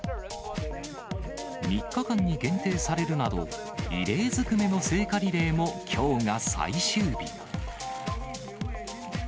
３日間に限定されるなど、異例ずくめの聖火リレーもきょうが最終日。